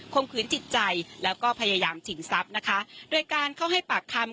คมคืนจิตใจแล้วก็พยายามชิงทรัพย์นะคะโดยการเข้าให้ปากคำ